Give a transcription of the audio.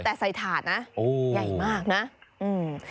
แต่ใส่ถาดนะโอ้ใหญ่มากนะอืม